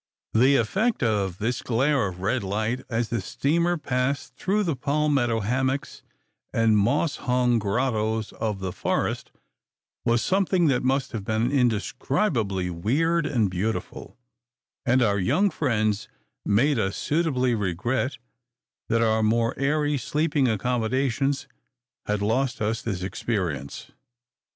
The effect of this glare of red light as the steamer passed through the palmetto hummocks and moss hung grottoes of the forest was something that must have been indescribably weird and beautiful; and our young friends made us suitably regret that our more airy sleeping accommodations had lost us this experience.